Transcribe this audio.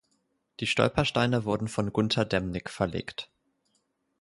Die Stolpersteine wurden von Gunter Demnig verlegt.